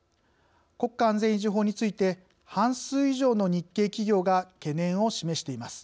国家安全維持法について半数以上の日系企業が懸念を示しています。